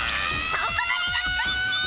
そこまでだクリッキー！